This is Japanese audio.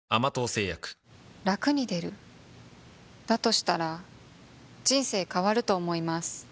したら人生変わると思います